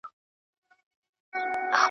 او په څېر چي د اوزګړي لېونی سي .